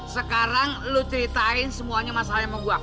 sekarang lo ceritain semuanya masalahnya sama gue